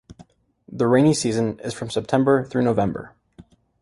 The rainy season is from September through November.